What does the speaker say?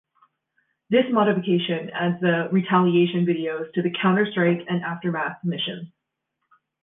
This modification adds the "Retaliation" videos to the "Counterstrike" and "Aftermath" missions.